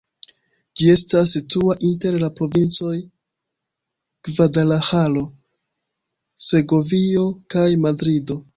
Ĝi estas situa inter la provincoj Gvadalaĥaro, Segovio kaj Madrido.